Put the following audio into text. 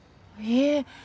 いいえ。